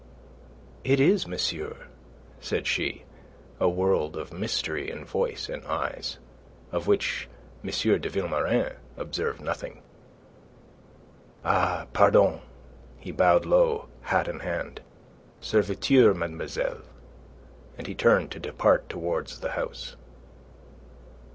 "It is, monsieur," said she, a world of mystery in voice and eyes, of which M. de Vilmorin observed nothing. "Ah, pardon!" he bowed low, hat in hand. "Serviteur, mademoiselle," and he turned to depart towards the house.